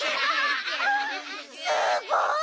すごい！